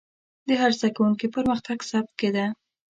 د هر زده کوونکي پرمختګ ثبت کېده.